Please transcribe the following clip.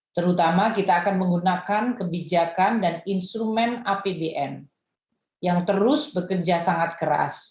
terutama kita akan menggunakan kebijakan dan instrumen apbn yang terus bekerja sangat keras